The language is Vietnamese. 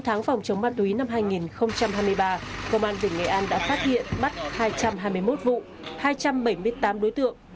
sáu tháng phòng chống ma túy năm hai nghìn hai mươi ba công an tỉnh nghệ an đã phát hiện bắt hai trăm hai mươi một vụ hai trăm bảy mươi tám đối tượng